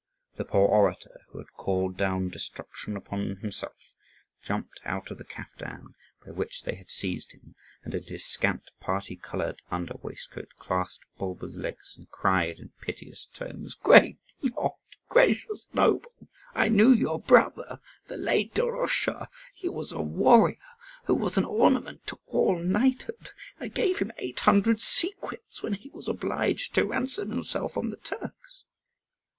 The poor orator who had called down destruction upon himself jumped out of the caftan, by which they had seized him, and in his scant parti coloured under waistcoat clasped Bulba's legs, and cried, in piteous tones, "Great lord! gracious noble! I knew your brother, the late Doroscha. He was a warrior who was an ornament to all knighthood. I gave him eight hundred sequins when he was obliged to ransom himself from the Turks."